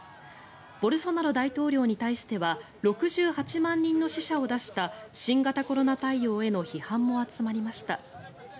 ボルソナロ大統領に対しては６８万人の死者を出した新型コロナ対応への批判も集まりました。